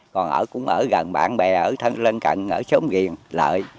còn ở cũng ở gần bạn bè ở thân lân cận ở xóm giền lợi